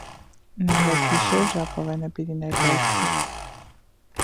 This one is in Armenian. Նաեւ այդ գիշեր ժապաւէնը պիտի ներկայացուէր։